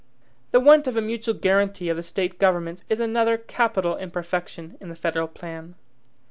The want of a mutual guaranty of the State governments is another capital imperfection in the federal plan.